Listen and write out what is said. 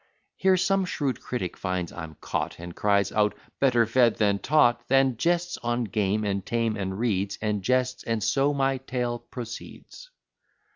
Here some shrewd critic finds I'm caught, And cries out, "Better fed than taught" Then jests on game and tame, and reads, And jests, and so my tale proceeds.